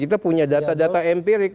kita punya data data empirik